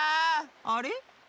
あれ？